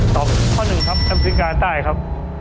ตอบข้อหนึ่งครับแอฟริกาใต้ครับ